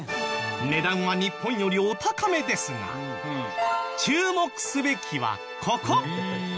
値段は日本よりお高めですが注目すべきはここ。